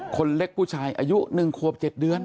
คนเล็กผู้ชายอายุ๑ขวบ๗เดือน